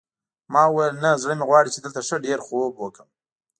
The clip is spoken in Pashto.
ما وویل نه زړه مې غواړي چې دلته ښه ډېر خوب وکړم.